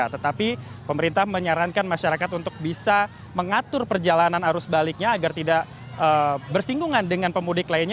tetapi pemerintah menyarankan masyarakat untuk bisa mengatur perjalanan arus baliknya agar tidak bersinggungan dengan pemudik lainnya